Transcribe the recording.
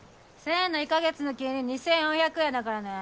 １０００円の１か月の金利２４００円だからね。